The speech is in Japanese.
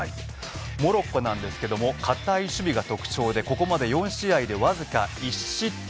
モロッコなんですけども堅い守備が特徴で、ここまで４試合でわずか１失点。